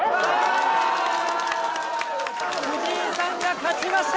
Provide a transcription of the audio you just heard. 藤井さんが勝ちました。